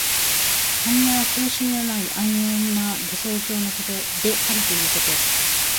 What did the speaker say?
涅槃は苦しみのない安穏な理想郷であるということ。